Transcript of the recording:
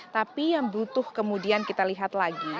tapi yang butuh kemudian kita lihat lagi